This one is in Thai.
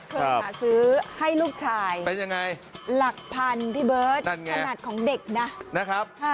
เขาหาซื้อให้ลูกชายหลักพันธุ์พี่เบิร์ตขนาดของเด็กนะนะครับ